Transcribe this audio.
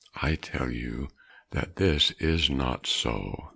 I tell you that this is not so.